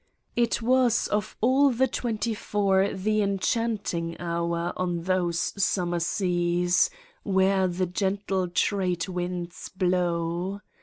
It was of all the twenty four the enchanting hour on those summer seas where the gentle trade winds blow.